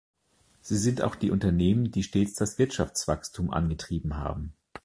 Sie sind auch die Unternehmen, die stets das Wirtschaftswachstum angetrieben haben.